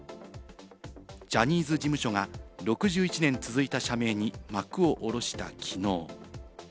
ジャニーズ事務所が６１年続いた社名に幕を下ろした昨日。